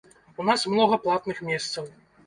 У нас многа платных месцаў.